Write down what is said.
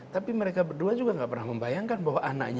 tapi mereka berdua juga nggak pernah membayangkan bahwa anaknya